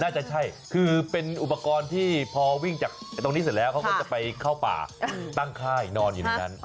น่าจะใช่คือเป็นอุปกรณ์ที่พอวิ่งจากตรงนี้เสร็จแล้วเขาก็จะไปเข้าป่าตั้งค่ายนอนอยู่ในนั้น